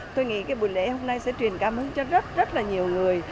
tôi nghĩ cái buổi lễ hôm nay sẽ truyền cảm hứng cho rất rất là nhiều người